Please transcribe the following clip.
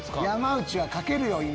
山内はかけるよ